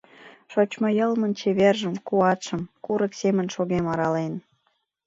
Шочмо йылмын чевержым, куатшым курык семын шогем арален.